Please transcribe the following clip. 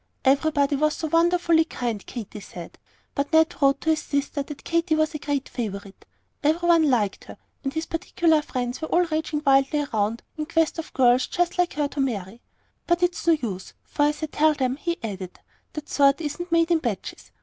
Everybody was so wonderfully kind, Katy said; but Ned wrote to his sister that Katy was a great favorite; every one liked her, and his particular friends were all raging wildly round in quest of girls just like her to marry. "But it's no use; for, as I tell them," he added, "that sort isn't made in batches.